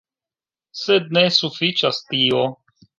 Sed ne sufiĉas tio.